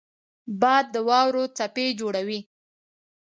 باد د واورو څپې جوړوي